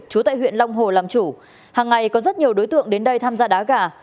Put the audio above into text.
chú tại huyện long hồ làm chủ hàng ngày có rất nhiều đối tượng đến đây tham gia đá gà